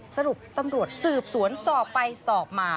สรุปตำรวจสืบสวนสอบไปสอบมา